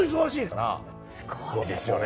すごいですよね。